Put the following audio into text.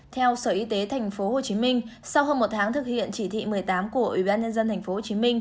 theo sở y tế tp hcm sau hơn một tháng thực hiện chỉ thị một mươi tám của ubnd tp hcm